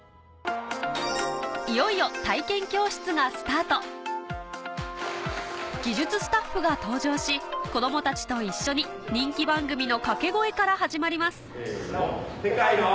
いよいよ技術スタッフが登場し子どもたちと一緒に人気番組の掛け声から始まりますせの！